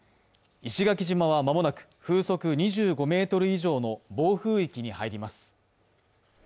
石垣島は間もなく風速２５メートル以上の暴風域に入ります。